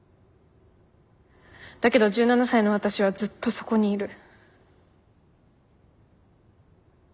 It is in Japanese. だけど１７才の私はずっとそこにいる。